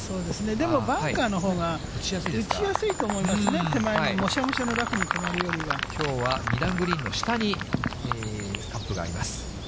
でも、バンカーのほうが撃ちやすいと思いますね、手前、もしゃもしゃのきょうは、２段グリーンの下にカップがあります。